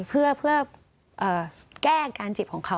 เพื่อแก้อาการเจ็บของเขา